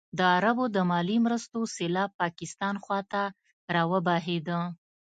د عربو د مالي مرستو سېلاب پاکستان خوا ته راوبهېده.